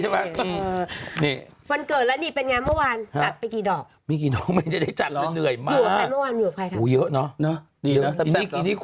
วันเกิดรันเนี่ยเป็นยังเมื่อวานจัดไปกี่ดอก